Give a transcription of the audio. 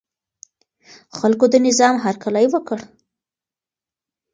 خلکو د نظام هرکلی وکړ.